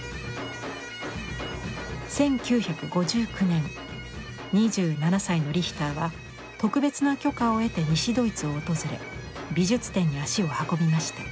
１９５９年２７歳のリヒターは特別な許可を得て西ドイツを訪れ美術展に足を運びました。